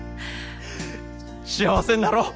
幸せになろう！